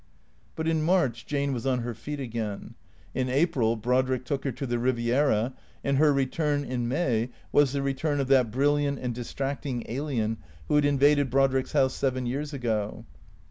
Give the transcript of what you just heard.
But in March Jane was on her feet again. In April Brodrick took her to the Eiviera, and her return (in May) was the return of that brilliant and distracting alien who had invaded Brod rick's house seven years ago.